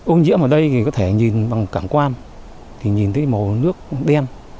ôn diễm ở đây thì có thể nhìn bằng cảng quan thì nhìn thấy màu nước đen